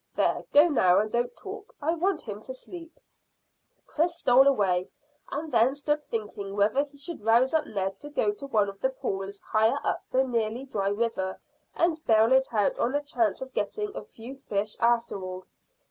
There, go now, and don't talk. I want him to sleep." Chris stole away, and then stood thinking whether he should rouse up Ned to go to one of the pools higher up the nearly dry river, and bale it out on the chance of getting a few fish after all.